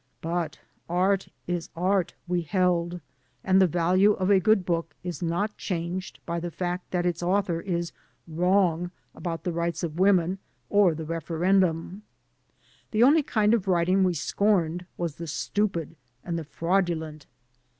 But art is art, we held, and the value of a good book is not changed by the fact that its author is wrong about the rights of women or the referendum. The only kind of writing we scorned was the stupid and the fraudulent.